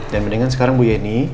dan mendingan sekarang bu yeni